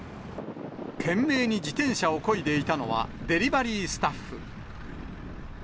懸命に自転車をこいでいたのは、デリバリースタッフ。